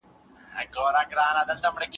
په نښترو کې د ځغستلي اس خوله وڅښي